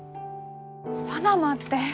パナマってええ？